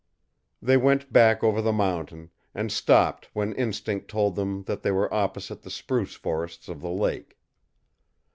They went back over the mountain, and stopped when instinct told them that they were opposite the spruce forests of the lake.